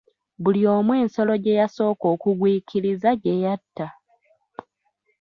Buli omu ensolo gye yasooka okugwikiriza gye yatta.